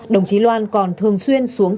đồng chí loan còn thường xuyên xuống